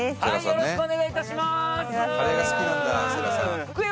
よろしくお願いします